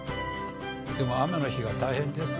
でも雨の日は大変ですよ。